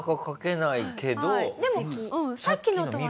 でもさっきのとはね。